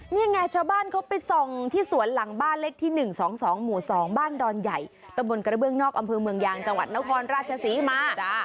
นี่ไงชาวบ้านเขาไปส่องที่สวนหลังบ้านเลขที่๑๒๒หมู่๒บ้านดอนใหญ่ตะบนกระเบื้องนอกอำเภอเมืองยางจังหวัดนครราชศรีมา